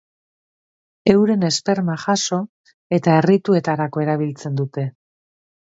Euren esperma jaso eta errituetarako erabiltzen dute.